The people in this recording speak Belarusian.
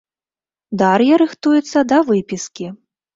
Дар'я рыхтуецца да выпіскі.